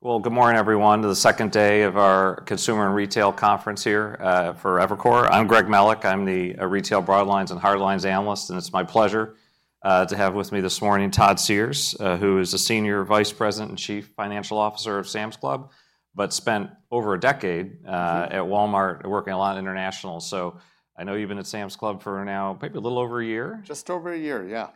Good morning, everyone. The second day of our Consumer and Retail Conference here for Evercore. I'm Greg Mellick. I'm the retail Broadlines and Hardlines Analyst, and it's my pleasure to have with me this morning Todd Sears, who is the Senior Vice President and Chief Financial Officer of Sam's Club, but spent over a decade at Walmart working a lot in international. I know you've been at Sam's Club for now, maybe a little over a year. Just over a year, yeah.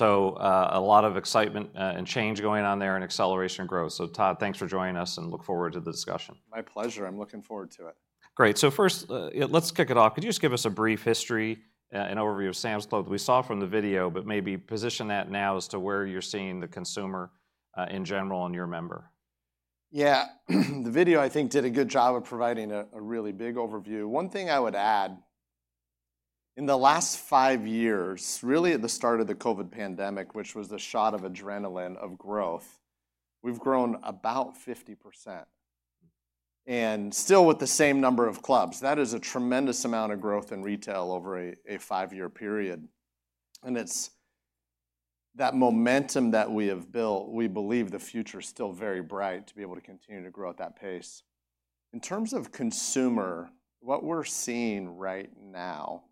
A lot of excitement and change going on there and acceleration growth. Todd, thanks for joining us and look forward to the discussion. My pleasure. I'm looking forward to it. Great. First, let's kick it off. Could you just give us a brief history and overview of Sam's Club that we saw from the video, but maybe position that now as to where you're seeing the consumer in general and your member? Yeah. The video, I think, did a good job of providing a really big overview. One thing I would add, in the last five years, really at the start of the COVID pandemic, which was the shot of adrenaline of growth, we've grown about 50% and still with the same number of clubs. That is a tremendous amount of growth in retail over a five-year period. It is that momentum that we have built, we believe the future is still very bright to be able to continue to grow at that pace. In terms of consumer, what we're seeing right now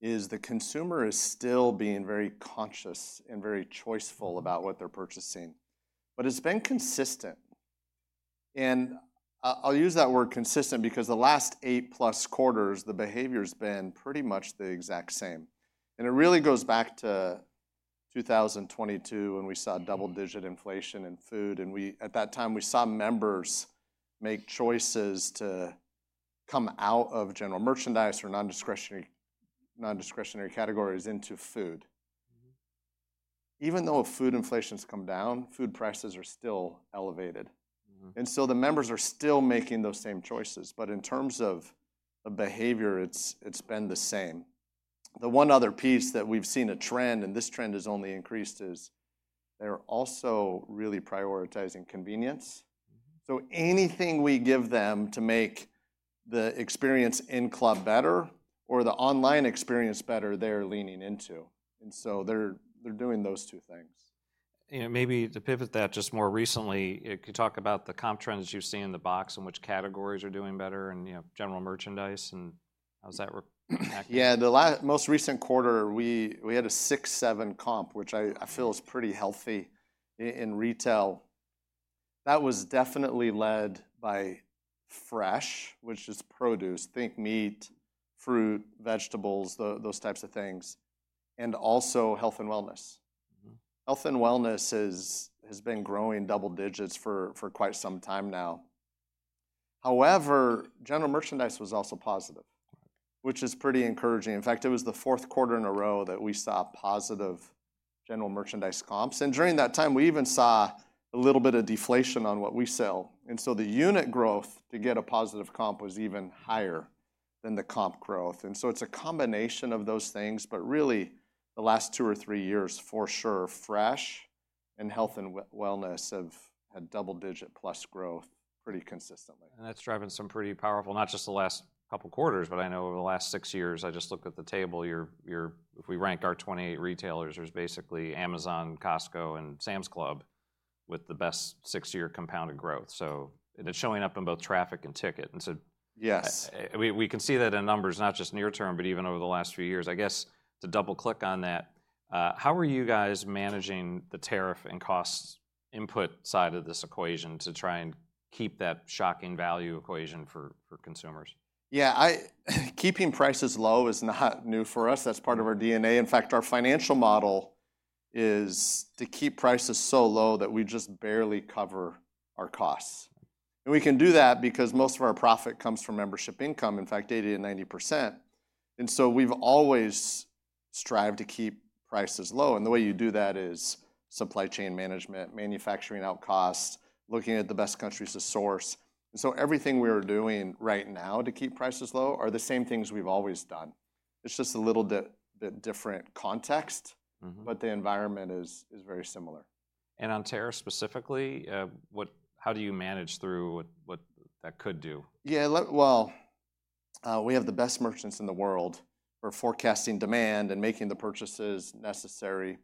is the consumer is still being very conscious and very choiceful about what they're purchasing, but it's been consistent. I'll use that word consistent because the last 8+ quarters, the behavior has been pretty much the exact same. It really goes back to 2022 when we saw double-digit inflation in food. At that time, we saw members make choices to come out of general merchandise or non-discretionary categories into food. Even though food inflation has come down, food prices are still elevated. The members are still making those same choices. In terms of the behavior, it's been the same. The one other piece that we've seen a trend, and this trend has only increased, is they're also really prioritizing convenience. Anything we give them to make the experience in club better or the online experience better, they're leaning into. They're doing those two things. Maybe to pivot that just more recently, could you talk about the comp trends you've seen in the box and which categories are doing better in general merchandise and how's that? Yeah. The most recent quarter, we had a 6%-7% comp, which I feel is pretty healthy in retail. That was definitely led by fresh, which is produce. Think meat, fruit, vegetables, those types of things, and also health and wellness. Health and wellness has been growing double digits for quite some time now. However, general merchandise was also positive, which is pretty encouraging. In fact, it was the fourth quarter in a row that we saw positive general merchandise comps. During that time, we even saw a little bit of deflation on what we sell. The unit growth to get a positive comp was even higher than the comp growth. It is a combination of those things, but really the last two or three years for sure, fresh and health and wellness have had double-digit plus growth pretty consistently. That's driving some pretty powerful, not just the last couple quarters, but I know over the last six years, I just looked at the table. If we rank our 28 retailers, there's basically Amazon, Costco, and Sam's Club with the best six-year compounded growth. It is showing up in both traffic and ticket. We can see that in numbers, not just near-term, but even over the last few years. I guess to double-click on that, how are you guys managing the tariff and cost input side of this equation to try and keep that shocking value equation for consumers? Yeah. Keeping prices low is not new for us. That's part of our DNA. In fact, our financial model is to keep prices so low that we just barely cover our costs. We can do that because most of our profit comes from membership income, in fact, 80%-90%. We have always strived to keep prices low. The way you do that is supply chain management, manufacturing out costs, looking at the best countries to source. Everything we are doing right now to keep prices low are the same things we have always done. It's just a little bit different context, but the environment is very similar. On tariffs specifically, how do you manage through what that could do? Yeah. We have the best merchants in the world. We're forecasting demand and making the purchases necessary.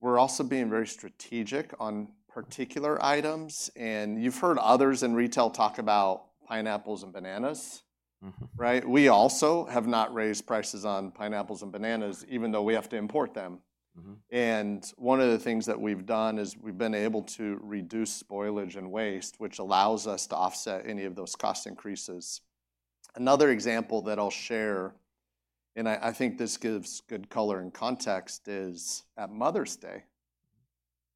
We're also being very strategic on particular items. You've heard others in retail talk about pineapples and bananas, right? We also have not raised prices on pineapples and bananas, even though we have to import them. One of the things that we've done is we've been able to reduce spoilage and waste, which allows us to offset any of those cost increases. Another example that I'll share, and I think this gives good color and context, is at Mother's Day,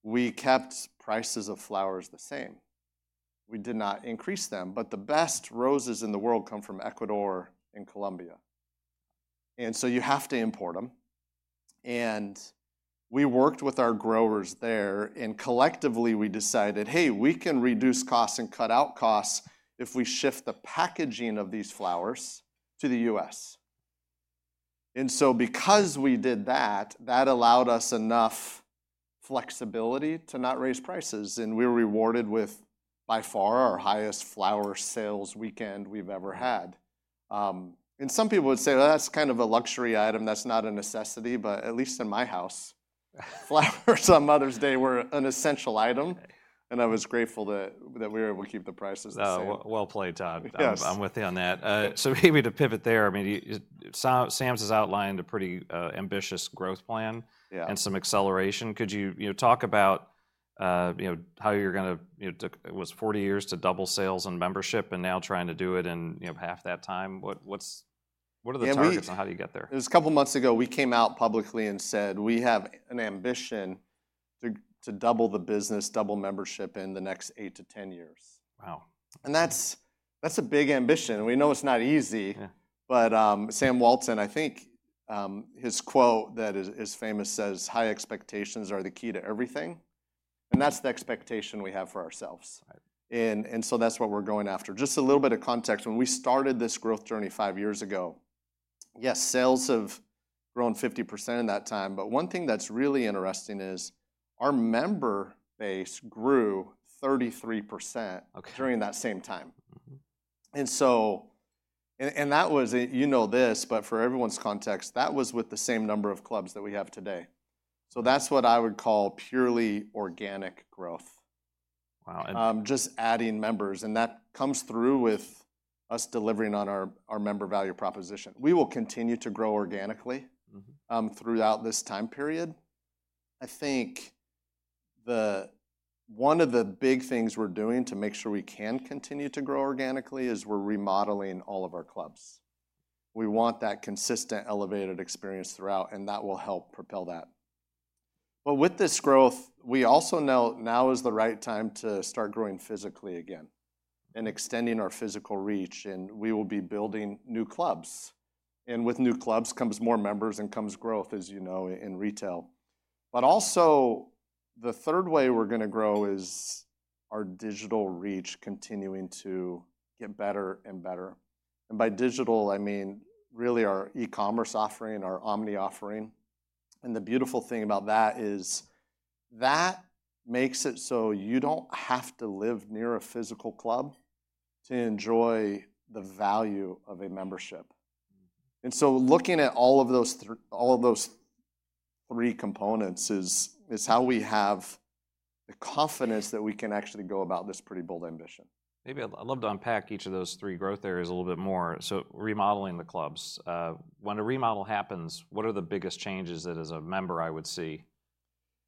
we kept prices of flowers the same. We did not increase them, but the best roses in the world come from Ecuador and Colombia. You have to import them. We worked with our growers there, and collectively we decided, hey, we can reduce costs and cut out costs if we shift the packaging of these flowers to the U.S. Because we did that, that allowed us enough flexibility to not raise prices. We were rewarded with by far our highest flower sales weekend we've ever had. Some people would say, well, that's kind of a luxury item. That's not a necessity, but at least in my house, flowers on Mother's Day were an essential item. I was grateful that we were able to keep the prices the same. Well played, Todd. I'm with you on that. Maybe to pivot there, I mean, Sam's has outlined a pretty ambitious growth plan and some acceleration. Could you talk about how you're going to, it was 40 years to double sales and membership and now trying to do it in half that time? What are the targets and how do you get there? It was a couple of months ago we came out publicly and said we have an ambition to double the business, double membership in the next 8-10 years. Wow. That is a big ambition. We know it is not easy, but Sam Walton, I think his quote that is famous says, "High expectations are the key to everything." That is the expectation we have for ourselves. That is what we are going after. Just a little bit of context. When we started this growth journey five years ago, yes, sales have grown 50% in that time. One thing that is really interesting is our member base grew 33% during that same time. That was, you know this, but for everyone's context, that was with the same number of clubs that we have today. That is what I would call purely organic growth, just adding members. That comes through with us delivering on our member value proposition. We will continue to grow organically throughout this time period. I think one of the big things we're doing to make sure we can continue to grow organically is we're remodeling all of our clubs. We want that consistent elevated experience throughout, and that will help propel that. With this growth, we also know now is the right time to start growing physically again and extending our physical reach. We will be building new clubs. With new clubs comes more members and comes growth, as you know, in retail. The third way we're going to grow is our digital reach continuing to get better and better. By digital, I mean really our e-commerce offering, our omni offering. The beautiful thing about that is that makes it so you don't have to live near a physical club to enjoy the value of a membership. Looking at all of those three components is how we have the confidence that we can actually go about this pretty bold ambition. Maybe I'd love to unpack each of those three growth areas a little bit more. Remodeling the clubs. When a remodel happens, what are the biggest changes that as a member I would see?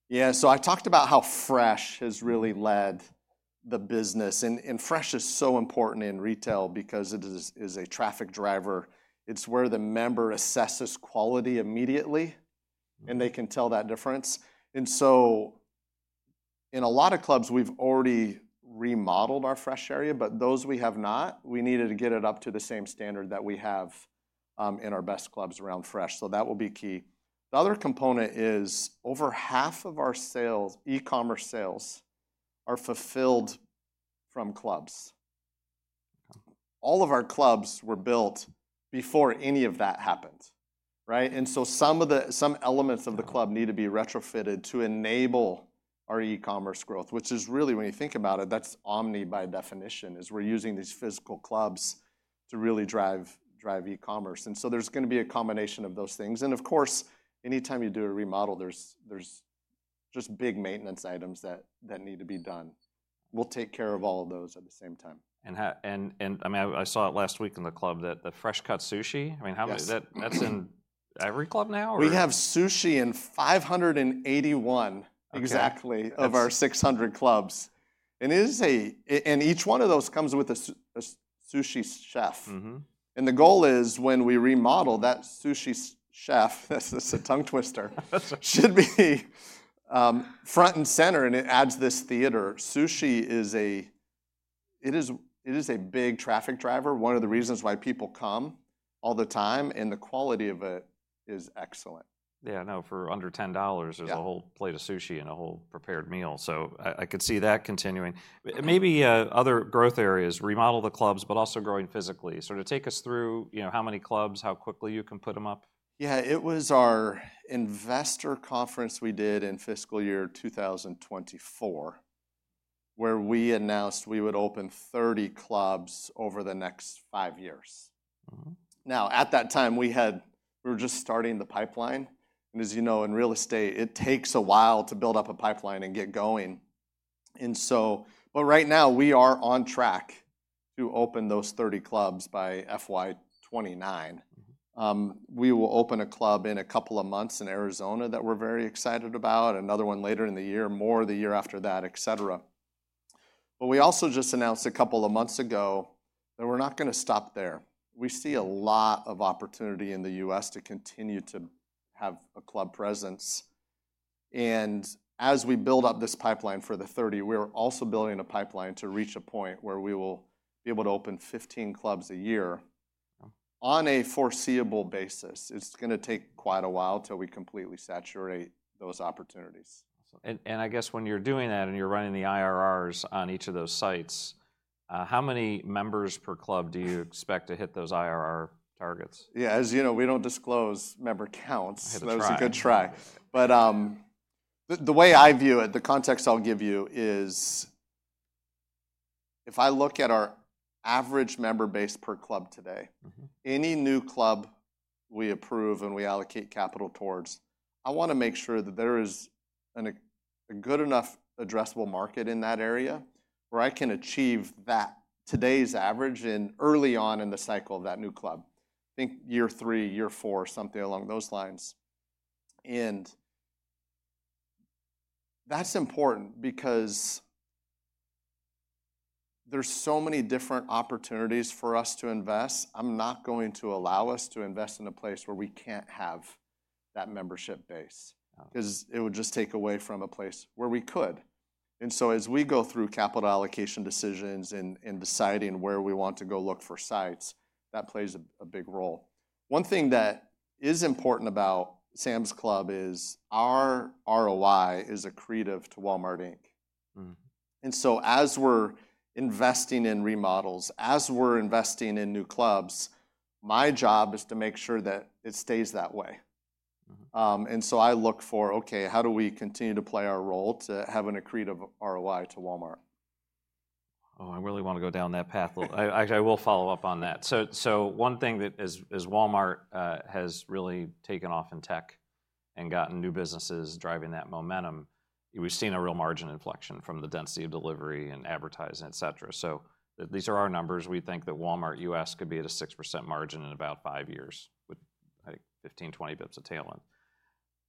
Yeah. I talked about how fresh has really led the business. Fresh is so important in retail because it is a traffic driver. It is where the member assesses quality immediately, and they can tell that difference. In a lot of clubs, we have already remodeled our fresh area, but those we have not. We needed to get it up to the same standard that we have in our best clubs around fresh. That will be key. The other component is over half of our e-commerce sales are fulfilled from clubs. All of our clubs were built before any of that happened, right? Some elements of the club need to be retrofitted to enable our e-commerce growth, which is really, when you think about it, that is omni by definition, as we are using these physical clubs to really drive e-commerce. There's going to be a combination of those things. Of course, anytime you do a remodel, there's just big maintenance items that need to be done. We'll take care of all of those at the same time. I mean, I saw it last week in the club that the fresh cut sushi, I mean, that's in every club now, right? We have sushi in 581 exactly of our 600 clubs. Each one of those comes with a sushi chef. The goal is when we remodel, that sushi chef, that's a tongue twister, should be front and center, and it adds this theater. Sushi is a big traffic driver. One of the reasons why people come all the time, and the quality of it is excellent. Yeah. Now for under $10, there's a whole plate of sushi and a whole prepared meal. I could see that continuing. Maybe other growth areas, remodel the clubs, but also growing physically. To take us through how many clubs, how quickly you can put them up? Yeah. It was our investor conference we did in fiscal year 2024, where we announced we would open 30 clubs over the next five years. Now, at that time, we were just starting the pipeline. As you know, in real estate, it takes a while to build up a pipeline and get going. Right now, we are on track to open those 30 clubs by FY 2029. We will open a club in a couple of months in Arizona that we're very excited about, another one later in the year, more the year after that, et cetera. We also just announced a couple of months ago that we're not going to stop there. We see a lot of opportunity in the U.S. to continue to have a club presence. As we build up this pipeline for the 30, we are also building a pipeline to reach a point where we will be able to open 15 clubs a year on a foreseeable basis. It is going to take quite a while till we completely saturate those opportunities. I guess when you're doing that and you're running the IRRs on each of those sites, how many members per club do you expect to hit those IRR targets? Yeah. As you know, we don't disclose member counts. It's a good try. The way I view it, the context I'll give you is if I look at our average member base per club today, any new club we approve and we allocate capital towards, I want to make sure that there is a good enough addressable market in that area where I can achieve that today's average early on in the cycle of that new club. I think year three, year four, something along those lines. That's important because there are so many different opportunities for us to invest. I'm not going to allow us to invest in a place where we can't have that membership base because it would just take away from a place where we could. As we go through capital allocation decisions and deciding where we want to go look for sites, that plays a big role. One thing that is important about Sam's Club is our ROI is accretive to Walmart Inc. As we're investing in remodels, as we're investing in new clubs, my job is to make sure that it stays that way. I look for, okay, how do we continue to play our role to have an accretive ROI to Walmart? Oh, I really want to go down that path. I will follow up on that. One thing that as Walmart has really taken off in tech and gotten new businesses driving that momentum, we've seen a real margin inflection from the density of delivery and advertising, et cetera. These are our numbers. We think that Walmart U.S. could be at a 6% margin in about five years with, I think, 15-20 basis points of tailwind.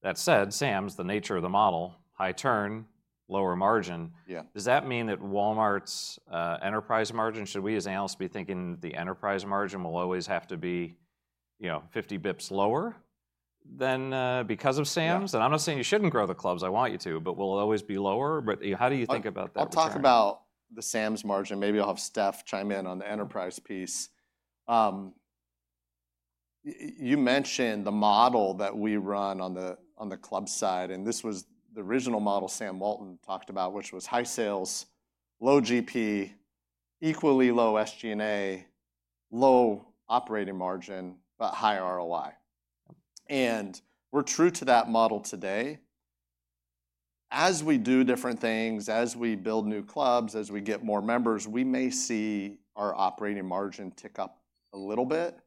That said, Sam's, the nature of the model, high turn, lower margin, does that mean that Walmart's enterprise margin, should we as analysts be thinking the enterprise margin will always have to be 50 basis points lower than because of Sam's? I'm not saying you shouldn't grow the clubs. I want you to, but will it always be lower? How do you think about that? I'll talk about the Sam's margin. Maybe I'll have Steph chime in on the enterprise piece. You mentioned the model that we run on the club side, and this was the original model Sam Walton talked about, which was high sales, low GP, equally low SG&A, low operating margin, but high ROI. We are true to that model today. As we do different things, as we build new clubs, as we get more members, we may see our operating margin tick up a little bit,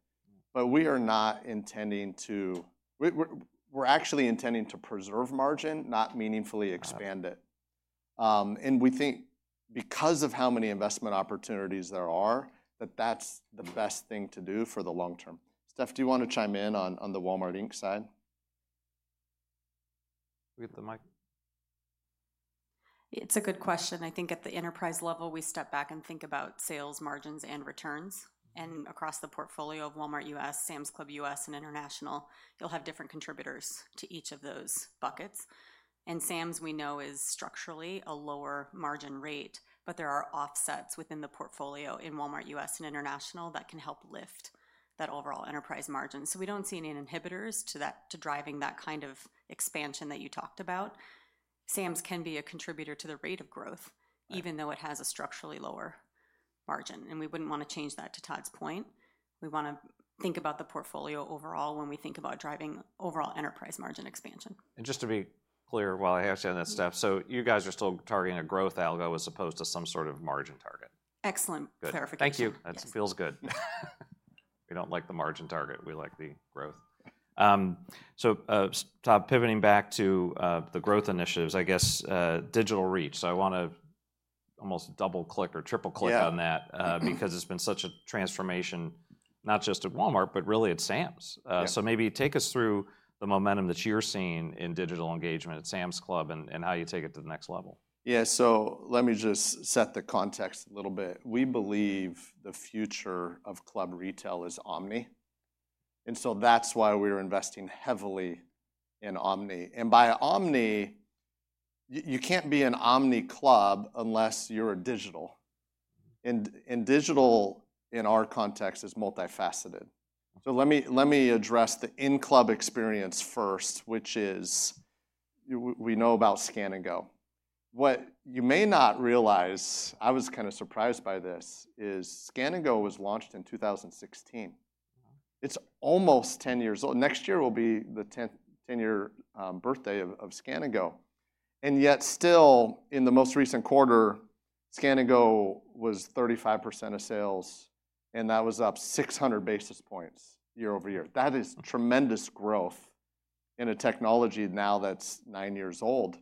but we are not intending to, we are actually intending to preserve margin, not meaningfully expand it. We think because of how many investment opportunities there are, that that is the best thing to do for the long term. Steph, do you want to chime in on the Walmart Inc side? It's a good question. I think at the enterprise level, we step back and think about sales, margins, and returns. Across the portfolio of Walmart U.S., Sam's Club U.S., and international, you'll have different contributors to each of those buckets. Sam's, we know, is structurally a lower margin rate, but there are offsets within the portfolio in Walmart U.S. and international that can help lift that overall enterprise margin. We don't see any inhibitors to driving that kind of expansion that you talked about. Sam's can be a contributor to the rate of growth, even though it has a structurally lower margin. We wouldn't want to change that, to Todd's point. We want to think about the portfolio overall when we think about driving overall enterprise margin expansion. Just to be clear while I ask you on that stuff, you guys are still targeting a growth algo as opposed to some sort of margin target. Excellent clarification. Thank you. That feels good. We don't like the margin target. We like the growth. Pivoting back to the growth initiatives, I guess digital reach. I want to almost double click or triple click on that because it's been such a transformation, not just at Walmart, but really at Sam's. Maybe take us through the momentum that you're seeing in digital engagement at Sam's Club and how you take it to the next level. Yeah. Let me just set the context a little bit. We believe the future of club retail is omni. That is why we are investing heavily in omni. By omni, you cannot be an omni club unless you are digital. Digital in our context is multifaceted. Let me address the in-club experience first, which is we know about Scan & Go. What you may not realize, I was kind of surprised by this, is Scan & Go was launched in 2016. It is almost 10 years old. Next year will be the 10-year birthday of Scan & Go. Yet still in the most recent quarter, Scan & Go was 35% of sales, and that was up 600 basis points year-over-year. That is tremendous growth in a technology now that is nine years old.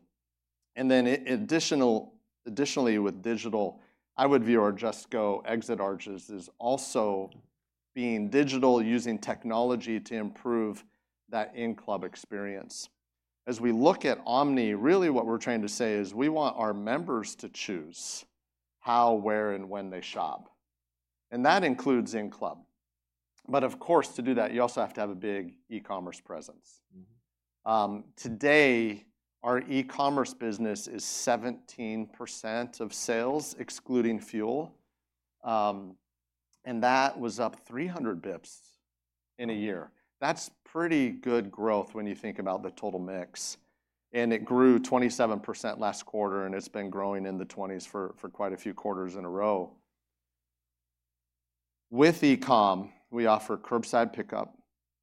Additionally, with digital, I would view our Just Go exit arches as also being digital, using technology to improve that in-club experience. As we look at omni, really what we are trying to say is we want our members to choose how, where, and when they shop. That includes in-club. Of course, to do that, you also have to have a big e-commerce presence. Today, our e-commerce business is 17% of sales, excluding fuel. That was up 300 basis points in a year. That is pretty good growth when you think about the total mix. It grew 27% last quarter, and it has been growing in the 20s for quite a few quarters in a row. With e-com, we offer curbside pickup.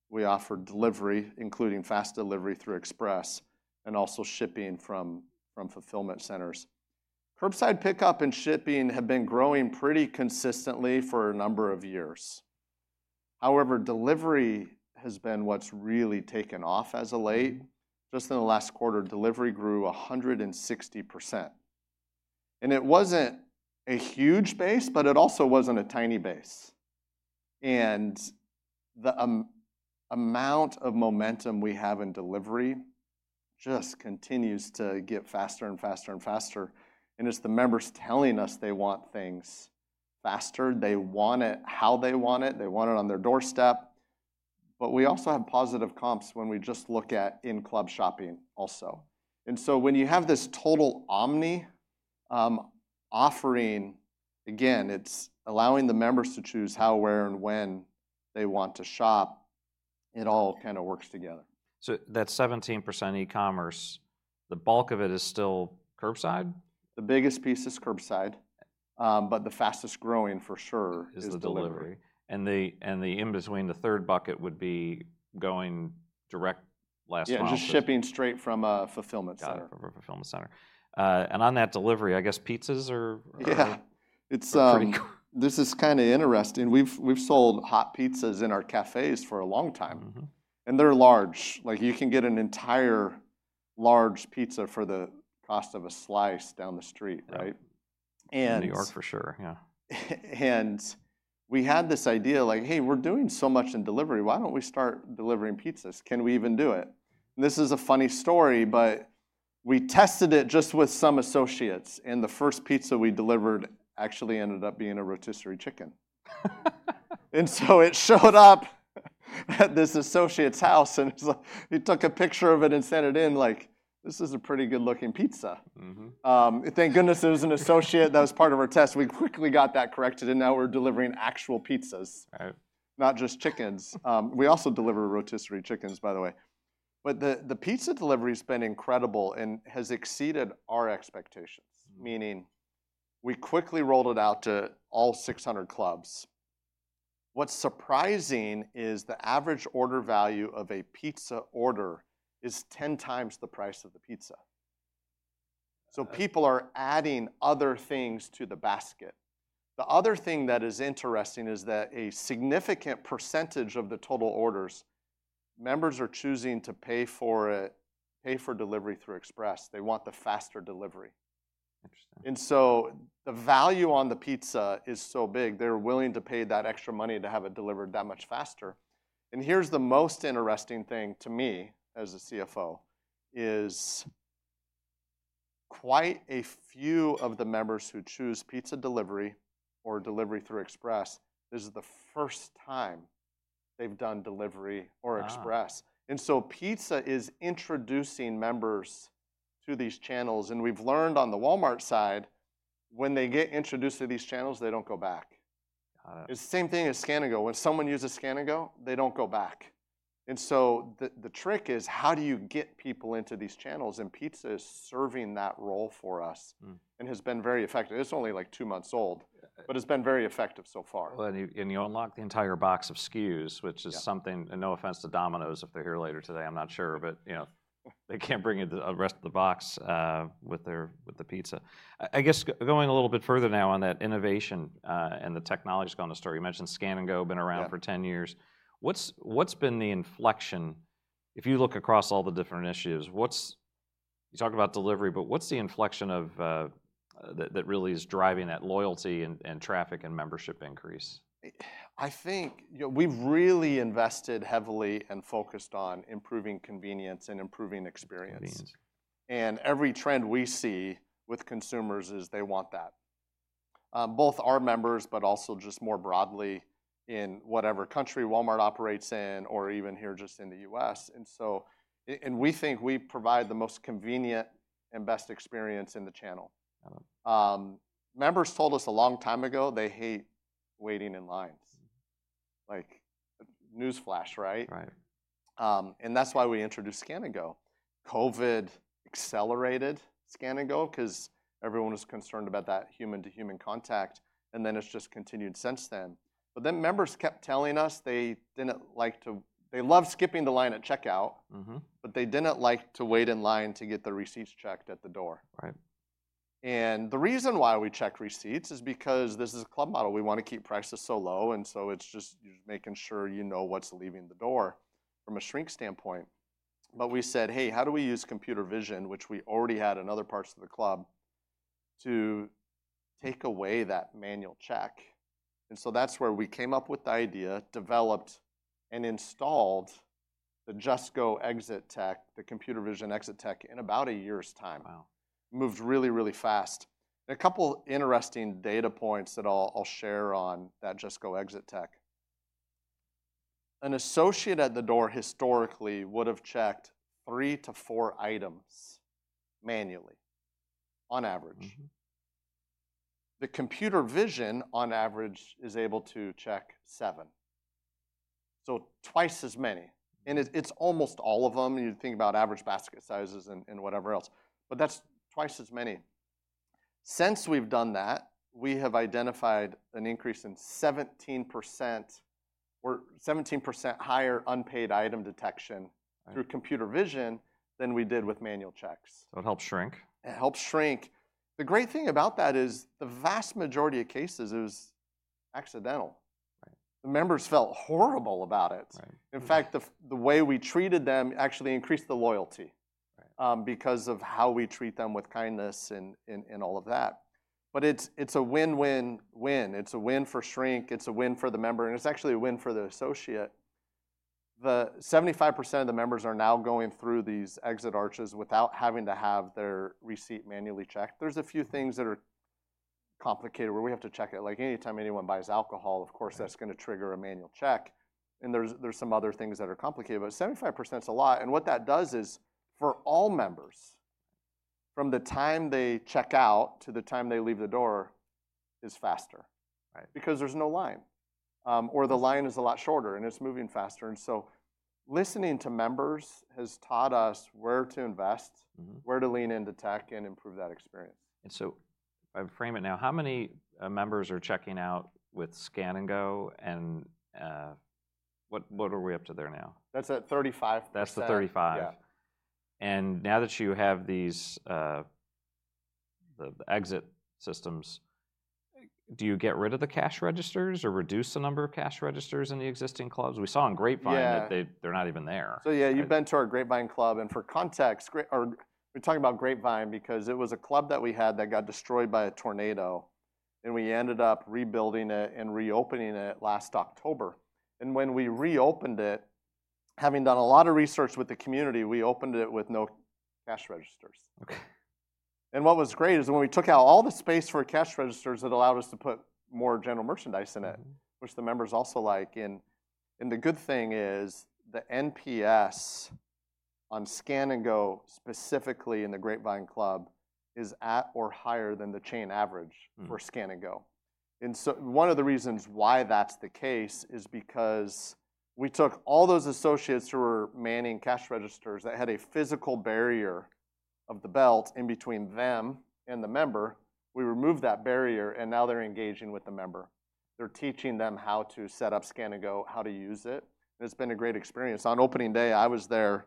We offer delivery, including fast delivery through express and also shipping from fulfillment centers. Curbside pickup and shipping have been growing pretty consistently for a number of years. However, delivery has been what's really taken off as of late. Just in the last quarter, delivery grew 160%. It wasn't a huge base, but it also wasn't a tiny base. The amount of momentum we have in delivery just continues to get faster and faster and faster. It's the members telling us they want things faster. They want it how they want it. They want it on their doorstep. We also have positive comps when we just look at in-club shopping also. When you have this total omni offering, again, it's allowing the members to choose how, where, and when they want to shop. It all kind of works together. That 17% e-commerce, the bulk of it is still curbside? The biggest piece is curbside, but the fastest growing for sure is the delivery. The in-between, the third bucket would be going direct last month. Yeah. Just shipping straight from a fulfillment center. Got it. From a fulfillment center. On that delivery, I guess pizzas are pretty good. Yeah. This is kind of interesting. We've sold hot pizzas in our cafes for a long time. And they're large. You can get an entire large pizza for the cost of a slice down the street, right? In New York for sure. Yeah. We had this idea like, "Hey, we're doing so much in delivery. Why don't we start delivering pizzas? Can we even do it?" This is a funny story, but we tested it just with some associates. The first pizza we delivered actually ended up being a rotisserie chicken. It showed up at this associate's house, and he took a picture of it and sent it in like, "This is a pretty good-looking pizza." Thank goodness it was an associate that was part of our test. We quickly got that corrected, and now we're delivering actual pizzas, not just chickens. We also deliver rotisserie chickens, by the way. The pizza delivery has been incredible and has exceeded our expectations, meaning we quickly rolled it out to all 600 clubs. What's surprising is the average order value of a pizza order is 10x the price of the pizza. People are adding other things to the basket. The other thing that is interesting is that a significant percentage of the total orders, members are choosing to pay for it, pay for delivery through express. They want the faster delivery. The value on the pizza is so big, they're willing to pay that extra money to have it delivered that much faster. Here's the most interesting thing to me as a CFO, quite a few of the members who choose pizza delivery or delivery through express, this is the first time they've done delivery or express. Pizza is introducing members to these channels. We've learned on the Walmart side, when they get introduced to these channels, they don't go back. It's the same thing as Scan & Go. When someone uses Scan & Go, they don't go back. The trick is how do you get people into these channels? Pizza is serving that role for us and has been very effective. It's only like two months old, but it's been very effective so far. You unlock the entire box of SKUs, which is something, and no offense to Domino's if they're here later today, I'm not sure, but they can't bring you the rest of the box with the pizza. I guess going a little bit further now on that innovation and the technology has gone to store. You mentioned Scan & Go has been around for 10 years. What's been the inflection? If you look across all the different initiatives, you talk about delivery, but what's the inflection that really is driving that loyalty and traffic and membership increase? I think we've really invested heavily and focused on improving convenience and improving experience. Every trend we see with consumers is they want that, both our members, but also just more broadly in whatever country Walmart operates in or even here just in the U.S. We think we provide the most convenient and best experience in the channel. Members told us a long time ago they hate waiting in lines, like newsflash, right? That's why we introduced Scan & Go. COVID accelerated Scan & Go because everyone was concerned about that human-to-human contact, and it's just continued since then. Members kept telling us they didn't like to, they loved skipping the line at checkout, but they didn't like to wait in line to get their receipts checked at the door. The reason why we checked receipts is because this is a club model. We want to keep prices so low. It is just making sure you know what is leaving the door from a shrink standpoint. We said, "Hey, how do we use computer vision, which we already had in other parts of the club, to take away that manual check?" That is where we came up with the idea, developed and installed the Just Go exit tech, the computer vision exit tech in about a year's time. It moved really, really fast. A couple of interesting data points that I will share on that Just Go exit tech. An associate at the door historically would have checked 3-4 items manually on average. The computer vision on average is able to check seven, so twice as many. It is almost all of them. You think about average basket sizes and whatever else, but that is twice as many. Since we've done that, we have identified an increase in 17% or 17% higher unpaid item detection through computer vision than we did with manual checks. It helps shrink. It helps shrink. The great thing about that is the vast majority of cases it was accidental. The members felt horrible about it. In fact, the way we treated them actually increased the loyalty because of how we treat them with kindness and all of that. It is a win-win-win. It is a win for shrink. It is a win for the member. It is actually a win for the associate. The 75% of the members are now going through these exit arches without having to have their receipt manually checked. There are a few things that are complicated where we have to check it. Like anytime anyone buys alcohol, of course, that is going to trigger a manual check. There are some other things that are complicated, but 75% is a lot. What that does is for all members, from the time they check out to the time they leave the door is faster because there is no line or the line is a lot shorter and it is moving faster. Listening to members has taught us where to invest, where to lean into tech and improve that experience. If I frame it now, how many members are checking out with Scan & Go and what are we up to there now? That's at 35%. That's the 35%. And now that you have the exit systems, do you get rid of the cash registers or reduce the number of cash registers in the existing clubs? We saw in Grapevine that they're not even there. Yeah, you've been to our Grapevine club. For context, we're talking about Grapevine because it was a club that we had that got destroyed by a tornado. We ended up rebuilding it and reopening it last October. When we reopened it, having done a lot of research with the community, we opened it with no cash registers. What was great is when we took out all the space for cash registers, it allowed us to put more general merchandise in it, which the members also like. The good thing is the NPS on Scan & Go specifically in the Grapevine club is at or higher than the chain average for Scan & Go. One of the reasons why that's the case is because we took all those associates who were manning cash registers that had a physical barrier of the belt in between them and the member. We removed that barrier and now they're engaging with the member. They're teaching them how to set up Scan & Go, how to use it. It's been a great experience. On opening day, I was there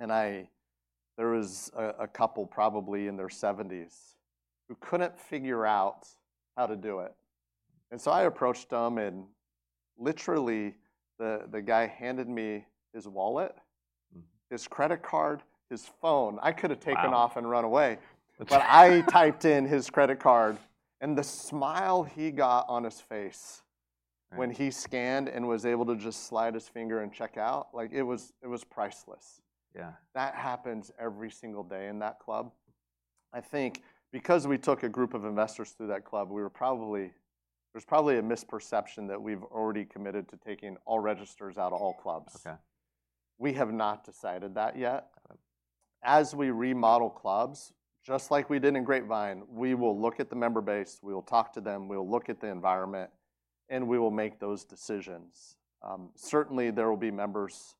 and there was a couple probably in their 70s who couldn't figure out how to do it. I approached them and literally the guy handed me his wallet, his credit card, his phone. I could have taken off and run away, but I typed in his credit card and the smile he got on his face when he scanned and was able to just slide his finger and check out, it was priceless. Yeah, that happens every single day in that club. I think because we took a group of investors through that club, there's probably a misperception that we've already committed to taking all registers out of all clubs. We have not decided that yet. As we remodel clubs, just like we did in Grapevine, we will look at the member base. We will talk to them. We'll look at the environment and we will make those decisions. Certainly, there will be members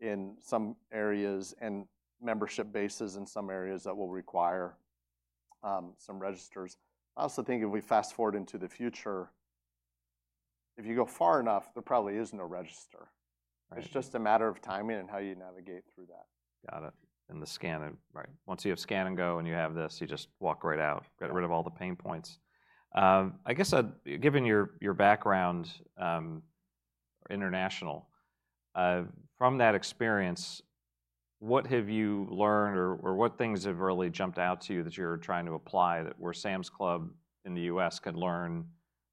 in some areas and membership bases in some areas that will require some registers. I also think if we fast forward into the future, if you go far enough, there probably is no register. It's just a matter of timing and how you navigate through that. Got it. The scanning, right? Once you have Scan & Go and you have this, you just walk right out, get rid of all the pain points. I guess given your background international, from that experience, what have you learned or what things have really jumped out to you that you're trying to apply that where Sam's Club in the U.S. could learn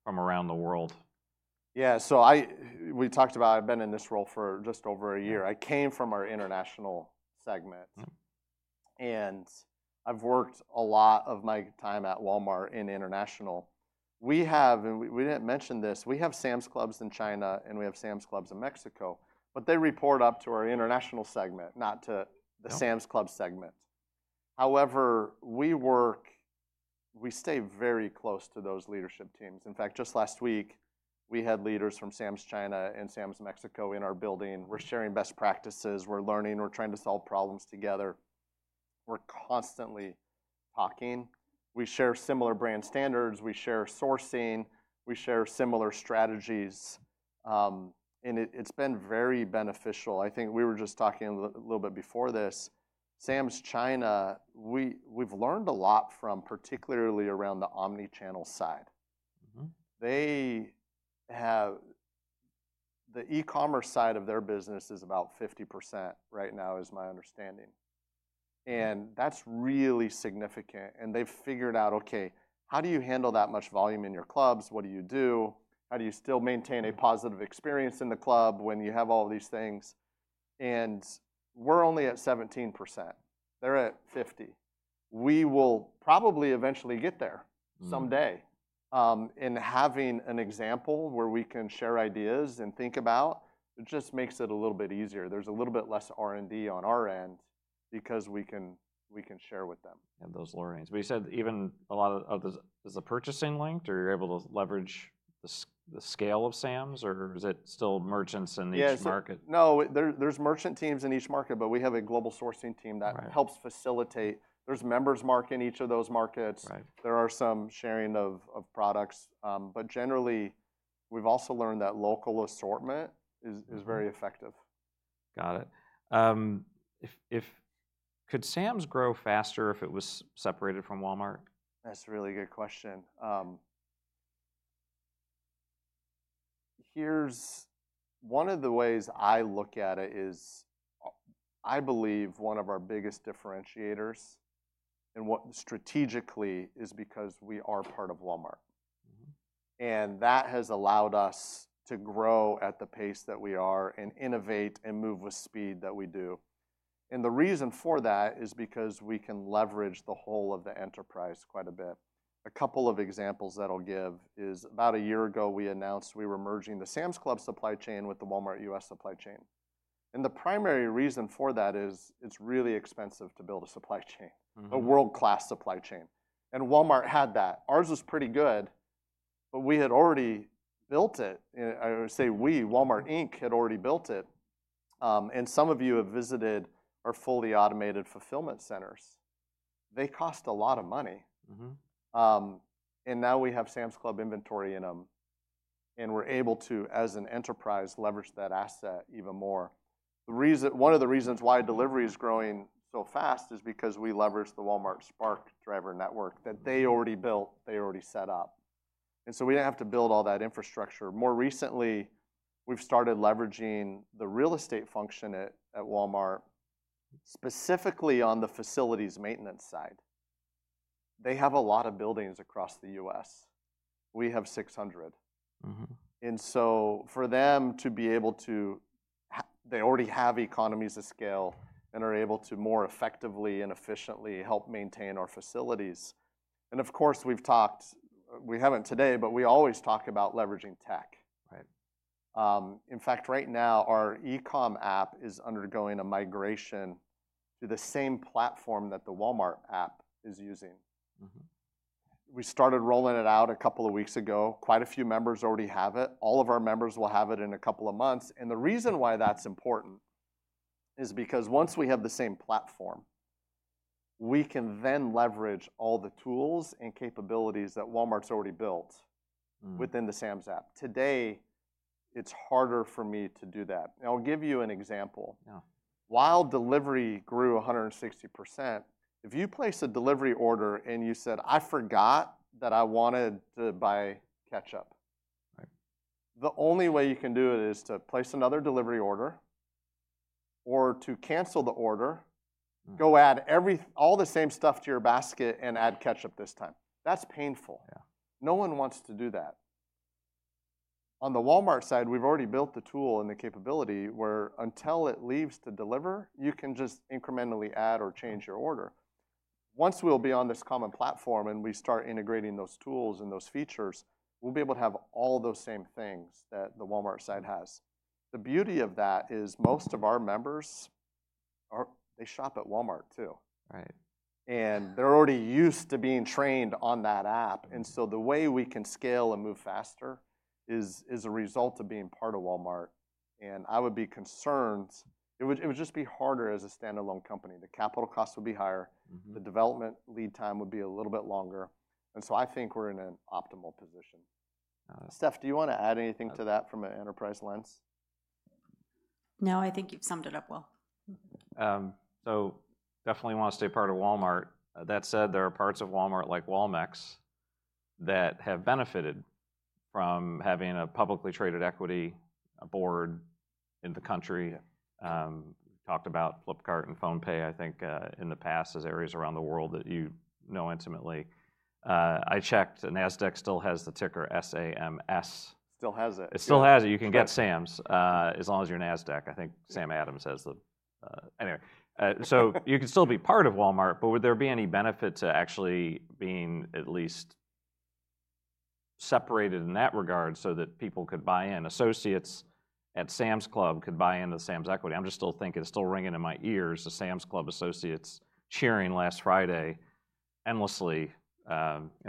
from around the world? Yeah. We talked about I've been in this role for just over a year. I came from our international segment and I've worked a lot of my time at Walmart in international. We have, and we didn't mention this, we have Sam's Clubs in China and we have Sam's Clubs in Mexico, but they report up to our international segment, not to the Sam's Club segment. However, we stay very close to those leadership teams. In fact, just last week, we had leaders from Sam's China and Sam's Mexico in our building. We're sharing best practices. We're learning. We're trying to solve problems together. We're constantly talking. We share similar brand standards. We share sourcing. We share similar strategies. And it's been very beneficial. I think we were just talking a little bit before this. Sam's China, we've learned a lot from, particularly around the omnichannel side. The e-commerce side of their business is about 50% right now, is my understanding. That is really significant. They have figured out, "Okay, how do you handle that much volume in your clubs? What do you do? How do you still maintain a positive experience in the club when you have all these things?" We are only at 17%. They are at 50%. We will probably eventually get there someday. Having an example where we can share ideas and think about it just makes it a little bit easier. There is a little bit less R&D on our end because we can share with them. Those Lorraines. You said even a lot of the, is the purchasing linked or you're able to leverage the scale of Sam's or is it still merchants in each market? No, there's merchant teams in each market, but we have a global sourcing team that helps facilitate. There's members' market in each of those markets. There are some sharing of products. Generally, we've also learned that local assortment is very effective. Got it. Could Sam's grow faster if it was separated from Walmart? That's a really good question. One of the ways I look at it is I believe one of our biggest differentiators and what strategically is because we are part of Walmart. That has allowed us to grow at the pace that we are and innovate and move with speed that we do. The reason for that is because we can leverage the whole of the enterprise quite a bit. A couple of examples that I'll give is about a year ago, we announced we were merging the Sam's Club supply chain with the Walmart U.S. supply chain. The primary reason for that is it's really expensive to build a supply chain, a world-class supply chain. Walmart had that. Ours was pretty good, but we had already built it. I would say we, Walmart Inc, had already built it. Some of you have visited our fully automated fulfillment centers. They cost a lot of money. Now we have Sam's Club inventory in them. We are able to, as an enterprise, leverage that asset even more. One of the reasons why delivery is growing so fast is because we leverage the Walmart Spark driver network that they already built, they already set up. We did not have to build all that infrastructure. More recently, we have started leveraging the real estate function at Walmart specifically on the facilities maintenance side. They have a lot of buildings across the U.S. We have 600. For them to be able to, they already have economies of scale and are able to more effectively and efficiently help maintain our facilities. Of course, we have talked, we have not today, but we always talk about leveraging tech. In fact, right now, our e-com app is undergoing a migration to the same platform that the Walmart app is using. We started rolling it out a couple of weeks ago. Quite a few members already have it. All of our members will have it in a couple of months. The reason why that's important is because once we have the same platform, we can then leverage all the tools and capabilities that Walmart's already built within the Sam's app. Today, it's harder for me to do that. I'll give you an example. While delivery grew 160%, if you place a delivery order and you said, "I forgot that I wanted to buy ketchup," the only way you can do it is to place another delivery order or to cancel the order, go add all the same stuff to your basket and add ketchup this time. That's painful. No one wants to do that. On the Walmart side, we've already built the tool and the capability where until it leaves to deliver, you can just incrementally add or change your order. Once we'll be on this common platform and we start integrating those tools and those features, we'll be able to have all those same things that the Walmart side has. The beauty of that is most of our members, they shop at Walmart too. They're already used to being trained on that app. The way we can scale and move faster is a result of being part of Walmart. I would be concerned, it would just be harder as a standalone company. The capital costs would be higher. The development lead time would be a little bit longer. I think we're in an optimal position. Steph, do you want to add anything to that from an enterprise lens? No, I think you've summed it up well. Definitely want to stay part of Walmart. That said, there are parts of Walmart like Walmex that have benefited from having a publicly traded equity board in the country. We talked about Flipkart and PhonePe, I think in the past as areas around the world that you know intimately. I checked NASDAQ still has the ticker SAMS. Still has it. It still has it. You can get Sam's as long as you're NASDAQ. I think Sam Adams has the, anyway. You could still be part of Walmart, but would there be any benefit to actually being at least separated in that regard so that people could buy in, associates at Sam's Club could buy into Sam's equity? I'm just still thinking, it's still ringing in my ears, the Sam's Club associates cheering last Friday endlessly.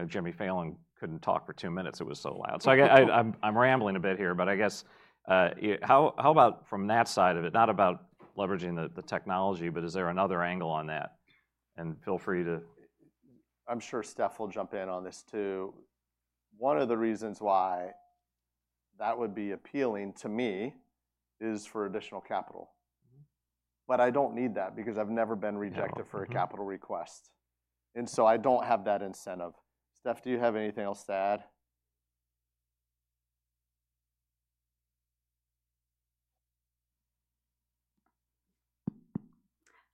Jimmy Fallon couldn't talk for two minutes. It was so loud. I'm rambling a bit here, but I guess how about from that side of it, not about leveraging the technology, but is there another angle on that? And feel free to. I'm sure Steph will jump in on this too. One of the reasons why that would be appealing to me is for additional capital. I don't need that because I've never been rejected for a capital request. I don't have that incentive. Steph, do you have anything else to add?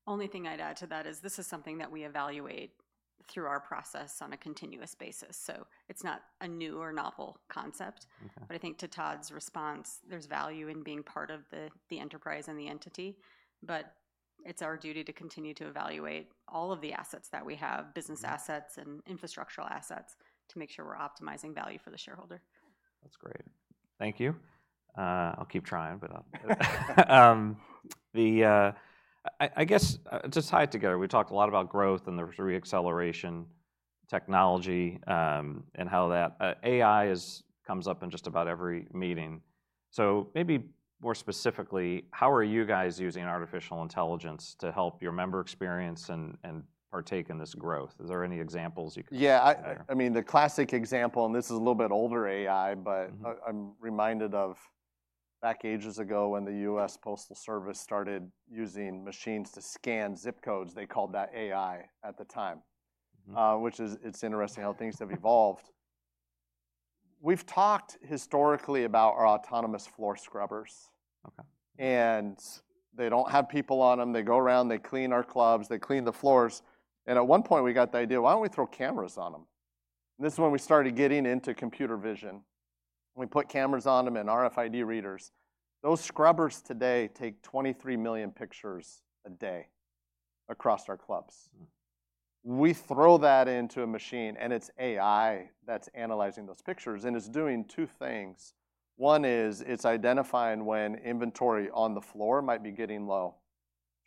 Only thing I'd add to that is this is something that we evaluate through our process on a continuous basis. It is not a new or novel concept. I think to Todd's response, there's value in being part of the enterprise and the entity. It is our duty to continue to evaluate all of the assets that we have, business assets and infrastructural assets to make sure we're optimizing value for the shareholder. That's great. Thank you. I'll keep trying, but I guess just tied together, we talked a lot about growth and the reacceleration technology and how that AI comes up in just about every meeting. Maybe more specifically, how are you guys using artificial intelligence to help your member experience and partake in this growth? Is there any examples you can share? Yeah. I mean, the classic example, and this is a little bit older AI, but I'm reminded of back ages ago when the U.S. Postal Service started using machines to scan zip codes. They called that AI at the time, which is, it's interesting how things have evolved. We've talked historically about our autonomous floor scrubbers. They don't have people on them. They go around, they clean our clubs, they clean the floors. At one point, we got the idea, why don't we throw cameras on them? This is when we started getting into computer vision. We put cameras on them and RFID readers. Those scrubbers today take 23 million pictures a day across our clubs. We throw that into a machine and it's AI that's analyzing those pictures and is doing two things. One is it's identifying when inventory on the floor might be getting low.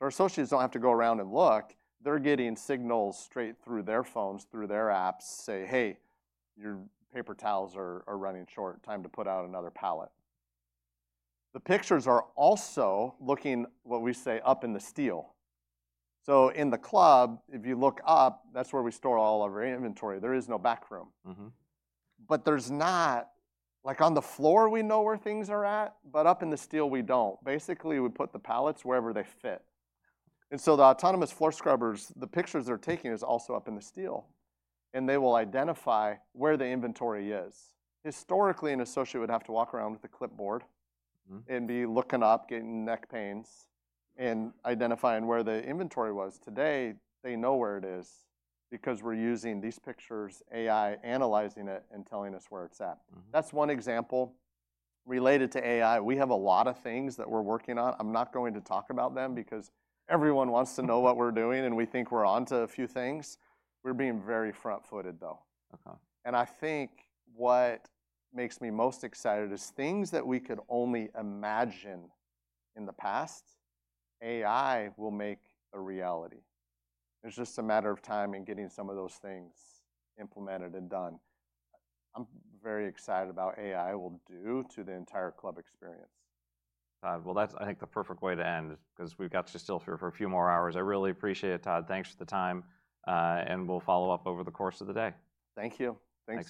Our associates do not have to go around and look. They are getting signals straight through their phones, through their apps, saying, "Hey, your paper towels are running short. Time to put out another pallet." The pictures are also looking, what we say, up in the steel. In the club, if you look up, that is where we store all of our inventory. There is no back room. There is not, like on the floor, we know where things are at, but up in the steel, we do not. Basically, we put the pallets wherever they fit. The autonomous floor scrubbers, the pictures they are taking are also up in the steel. They will identify where the inventory is. Historically, an associate would have to walk around with a clipboard and be looking up, getting neck pains and identifying where the inventory was. Today, they know where it is because we're using these pictures, AI analyzing it and telling us where it's at. That's one example related to AI. We have a lot of things that we're working on. I'm not going to talk about them because everyone wants to know what we're doing and we think we're onto a few things. We're being very front-footed though. I think what makes me most excited is things that we could only imagine in the past, AI will make a reality. It's just a matter of time and getting some of those things implemented and done. I'm very excited about what AI will do to the entire club experience. Todd, I think that's the perfect way to end because we've got to still for a few more hours. I really appreciate it, Todd. Thanks for the time. We'll follow up over the course of the day. Thank you. Thanks.